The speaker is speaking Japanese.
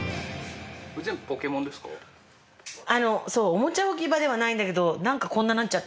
おもちゃ置き場ではないんだけど。